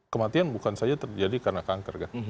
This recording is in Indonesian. kematian bukan saja terjadi karena kanker